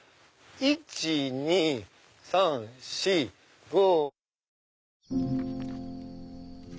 １・２・３・４・５。